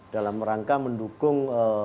dalam rangka mendukung